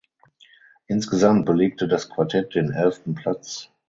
Insgesamt belegte das Quartett den elften Platz.